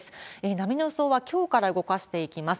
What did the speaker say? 波の予想はきょうから動かしていきます。